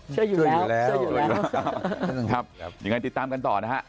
ช่วยอยู่แล้วครับอย่างนั้นติดตามกันต่อนะฮะ